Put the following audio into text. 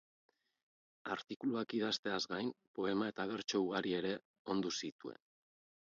Artikuluak idazteaz gain, poema eta bertso ugari ere ondu zituen.